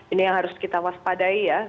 ini yang harus kita waspadai ya